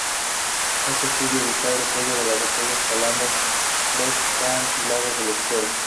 King Clave tiene otro hijo con una pareja anterior, Gabriel Francisco Ayala.